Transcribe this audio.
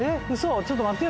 ちょっと待ってよ